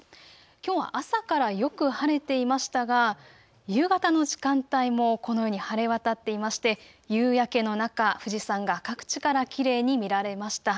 きょうは朝からよく晴れていましたが夕方の時間帯もこのように晴れ渡っていまして夕焼けの中、富士山が各地からきれいに見られました。